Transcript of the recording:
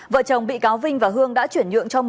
vợ chồng bị cáo vinh và hương đã chuyển nhượng